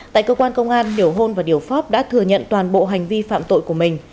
tại cơ quan công an nhiều hôn và điều pháp đã thừa nhận toàn bộ hành vi phạm tội của mình